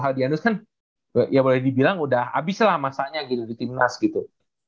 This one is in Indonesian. aldianus kan ya boleh dibilang udah habis lah masanya gitu di timnas gitu